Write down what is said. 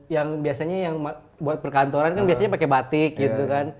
yang biasanya yang buat perkantoran kan biasanya pakai batik gitu kan